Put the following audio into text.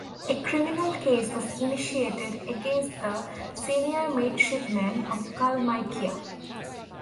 A criminal case was initiated against the senior midshipman of "Kalmykia".